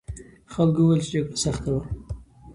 خلکو وویل چې جګړه سخته وه.